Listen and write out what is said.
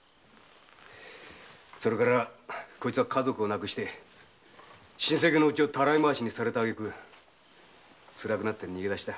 それからこいつは家族を亡くして親戚の家をたらい回しにされた揚句辛くなって逃げだした。